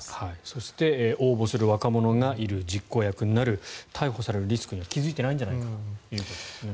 そして応募する若者がいる実行役になる逮捕されるリスクには気付いてないんじゃないかということですね。